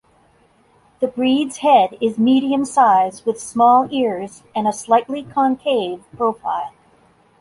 The breed's head is medium sized with small ears and a slightly concave profile.